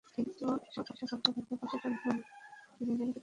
কিন্তু এসব সমস্যা থাকলেও পাসের জন্য তিনি নিয়মিত পরীক্ষা দেওয়ার ব্যাপারে অনড়।